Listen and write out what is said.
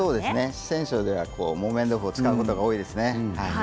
四川省では木綿豆腐を使うことが多いですね。